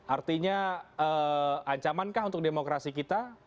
artinya ancamankah untuk demokrasi kita